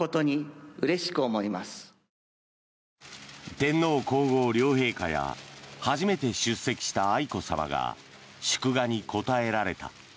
天皇・皇后両陛下や初めて出席した愛子さまが祝賀に応えられた。